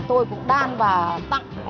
tôi cũng đan và tặng